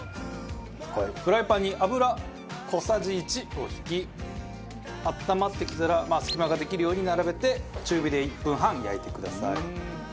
フライパンに油小さじ１を引きあったまってきたらまあ隙間ができるように並べて中火で１分半焼いてください。